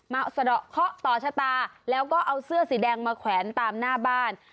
สะดอกเคาะต่อชะตาแล้วก็เอาเสื้อสีแดงมาแขวนตามหน้าบ้าน